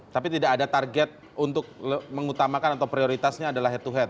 tapi tidak ada target untuk mengutamakan atau prioritasnya adalah head to head